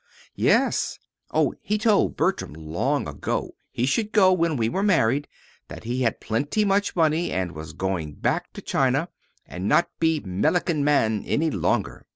"Yes. Oh, he told Bertram long ago he should go when we were married; that he had plenty much money, and was going back to China, and not be Melican man any longer.